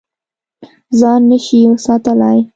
ځان نه شې ساتلی.